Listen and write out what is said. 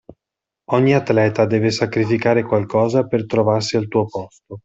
Ogni atleta deve sacrificare qualcosa per trovarsi al tuo posto.